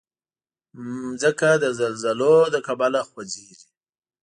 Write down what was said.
مځکه د زلزلو له کبله خوځېږي.